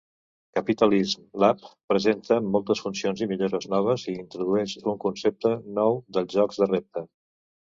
"Capitalism Lab" presenta moltes funcions i millores noves i introdueix un concepte nou dels jocs de repte.